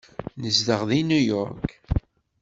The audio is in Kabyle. Nezdeɣ deg New York.